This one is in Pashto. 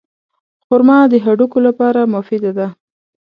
خرما د هډوکو لپاره مفیده ده.